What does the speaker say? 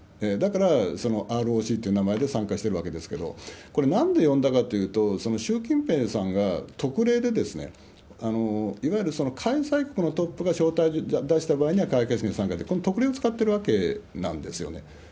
だから、ＲＯＣっていう名前で参加してるわけですけれども、これ、なんで呼んだかというと、その習近平さんが特例でいわゆる開催国のトップが招待状出した場合には開会式の参加で、この特例を使ってるわけなんですね。